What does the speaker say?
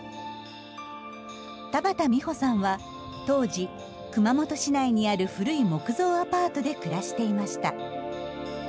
田畑美穂さんは当時熊本市内にある古い木造アパートで暮らしていました。